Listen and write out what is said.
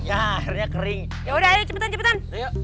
ya udah ayo cepetan cepetan